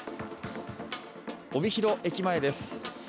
帯広駅前です。